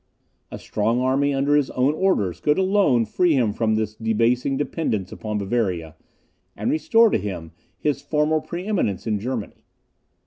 A strong army under his own orders could alone free him from this debasing dependence upon Bavaria, and restore to him his former pre eminence in Germany.